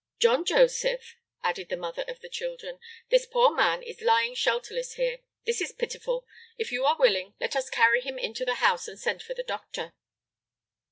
"John Joseph," added the mother of the children, "this poor man is lying shelterless here; this is pitiful. If you are willing, let us carry him into the house and send for the doctor."